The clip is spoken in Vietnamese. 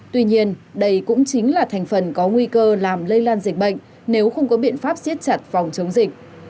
tuy nhiên đây cũng chính là thành phần có nguy cơ làm lây lan dịch bệnh nếu không có biện pháp siết chặt phòng chống dịch